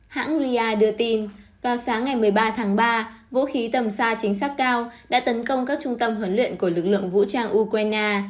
hãng ria đưa tin vào sáng ngày một mươi ba tháng ba vũ khí tầm xa chính xác cao đã tấn công các trung tâm huấn luyện của lực lượng vũ trang ukraine